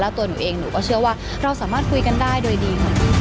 ตัวหนูเองหนูก็เชื่อว่าเราสามารถคุยกันได้โดยดีค่ะ